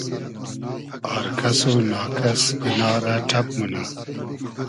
آر کئس و نا کئس اینا رۂ ݖئب مونۂ